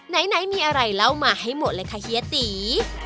ไหนมีอะไรเล่ามาให้หมดเลยค่ะเฮียตี